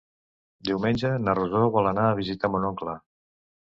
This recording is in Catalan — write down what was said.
Diumenge na Rosó vol anar a visitar mon oncle.